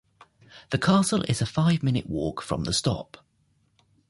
The castle is a five-minute walk from the stop.